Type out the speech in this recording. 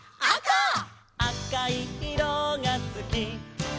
「あおいいろがすき」